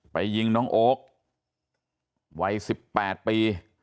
ยิงน้องโอ๊ควัย๑๘ปี